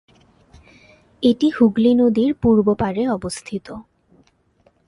এটি হুগলি নদীর পূর্ব পাড়ে অবস্থিত।